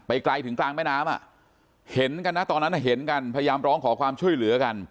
ไกลถึงกลางแม่น้ำอ่ะเห็นกันนะตอนนั้นเห็นกันพยายามร้องขอความช่วยเหลือกัน